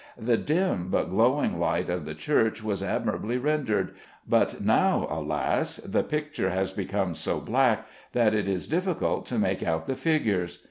The dim but glowing light of the church was admirably rendered, but now, alas! the picture has become so black that it is difficult to make out the figures.